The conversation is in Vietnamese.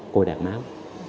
côi đạt máu